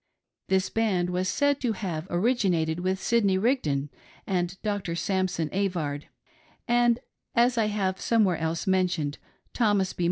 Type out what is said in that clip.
This band was said to have originated with Sidney Rigdon and Dr. Sampson Avard, and, as I have somewhere else mentioned, Thomas B.